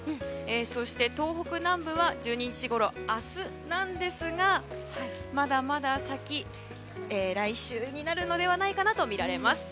そして、東北南部は１２日ごろ明日なんですがまだまだ先、来週になるのではないかと見られます。